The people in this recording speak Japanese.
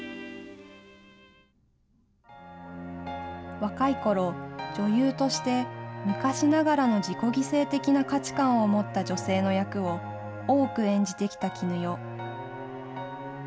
若いころ、女優として、昔ながらの自己犠牲的な価値観を持った女性の役を多く演じてきた絹代。